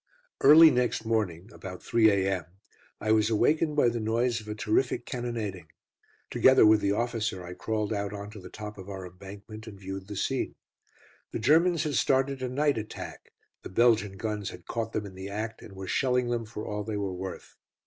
Early next morning (about 3 a.m.) I was awakened by the noise of a terrific cannonading. Together with the officer I crawled out on to the top of our embankment and viewed the scene. The Germans had started a night attack, the Belgian guns had caught them in the act and were shelling them for all they were worth.